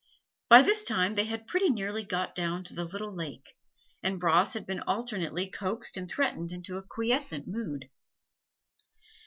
By this time they had pretty nearly got down to the little lake, and Bras had been alternately coaxed and threatened into a quiescent mood.